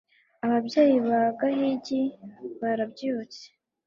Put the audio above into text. ababyeyi ba gahigi barabyutse